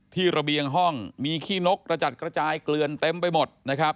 ที่ระเบียงห้องมีขี้นกที่จะจัดกระจายเกลือนเต็มไปหมด